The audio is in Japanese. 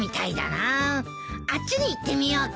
あっちに行ってみようか。